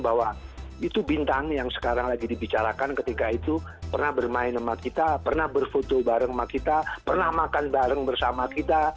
bahwa itu bintang yang sekarang lagi dibicarakan ketika itu pernah bermain sama kita pernah berfoto bareng sama kita pernah makan bareng bersama kita